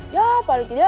ya paling tidak